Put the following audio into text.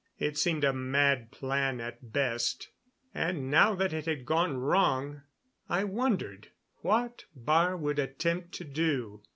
It seemed a mad plan at best; and now that it had gone wrong, I wondered what Baar would attempt to do.